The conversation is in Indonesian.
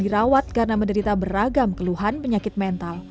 dan dirawat karena menderita beragam keluhan penyakit mental